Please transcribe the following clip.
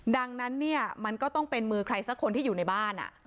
ดังนั้นเนี่ยมันก็ต้องเป็นมือใครสักคนที่อยู่ในบ้าน